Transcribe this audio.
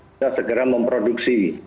kita segera memproduksi